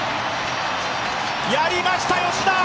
やりました吉田！